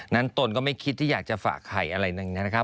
นั้นตนก็ไม่คิดที่อยากจะฝากใครอะไรแบบนี้นะคะ